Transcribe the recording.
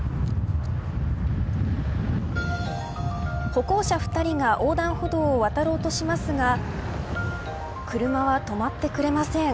歩行者２人が横断歩道を渡ろうとしますが車は止まってくれません。